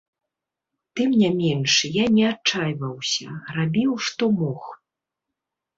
Тым не менш, я не адчайваўся, рабіў, што мог.